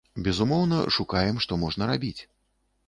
Безумоўна, шукаем, што можна рабіць.